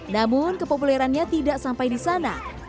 namun kepopulerannya tidak sampai di sana